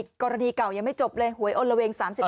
นะคะกรณีเก่ายังไม่จบเลยโหยอ้นระเวงสามสิบ